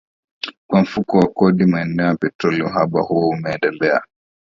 kwa Mfuko wa Kodi ya Maendeleo ya Petroli uhaba huo umeendelea